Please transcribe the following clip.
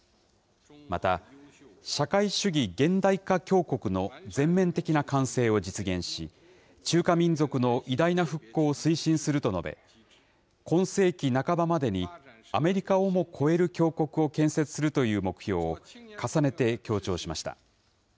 また、社会主義現代化強国の全面的な完成を実現し、中華民族の偉大な復興を推進すると述べ、今世紀半ばまでにアメリカをも超える強国を建設するという目標を重ねて強調しました。